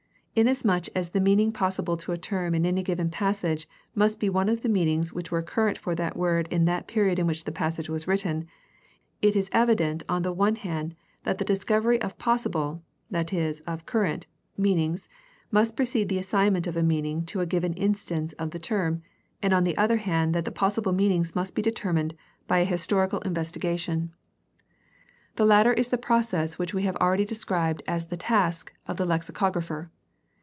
Inasmuch as the meaning possible to a term in any given passage must be one of the meanings which were current for that word in that period in which the passage was written, it is evident on the one hand that the discovery of possible, that is, of current, meanings, must precede the assignment of a meaning to a given instance of the term, and on the other hand that the possible meanings must be determined by a historical investi THE STUDY OF THE NEW TESTAMENT 211 gation. The latter is the process which we have already described as the task of the lexicographer.